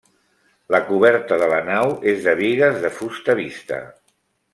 La coberta de la nau és de bigues de fusta vista.